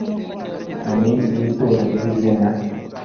Mu minsi y itora nyir izina